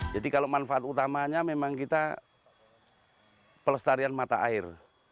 jadi kalau manfaat utamanya memang kita pelestarian mata air